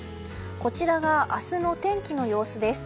こちらが明日の天気の様子です。